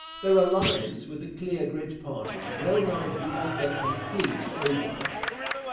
Their alliance with the Clear Grit party wellnigh brought their complete overthrow.